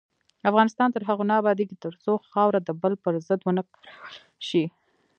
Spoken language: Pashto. افغانستان تر هغو نه ابادیږي، ترڅو خاوره د بل پر ضد ونه کارول شي.